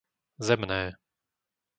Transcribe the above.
Zemné